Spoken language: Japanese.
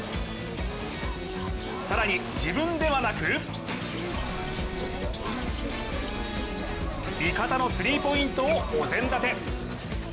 更に自分ではなく味方のスリーポイントをお膳立て。